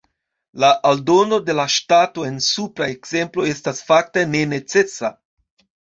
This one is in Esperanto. La aldono de la ŝtato en supra ekzemplo estas fakte ne necesa.